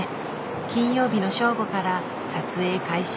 金曜日の正午から撮影開始。